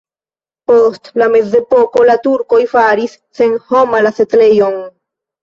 Post la mezepoko la turkoj faris senhoma la setlejon.